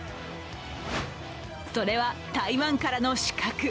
それは台湾からの刺客。